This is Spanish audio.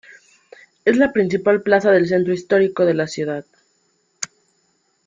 Es la principal plaza del centro histórico de la ciudad.